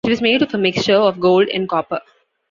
It was made of a mixture of gold and copper.